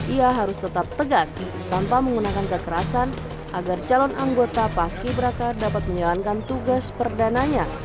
ia harus tetap tegas tanpa menggunakan kekerasan agar calon anggota paski beraka dapat menjalankan tugas perdananya